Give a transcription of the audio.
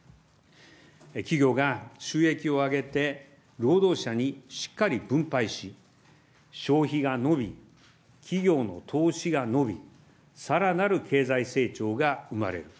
企業が収益を上げて労働者にしっかり分配し、消費が伸び、企業の投資が伸び、さらなる経済成長が生まれる。